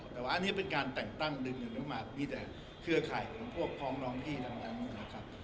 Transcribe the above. แต่ว่าอันนี้เป็นการแต่งตั้งมาที่เชื้อไข่ของพร้อมพี่ทางด้างนู่นนะครับ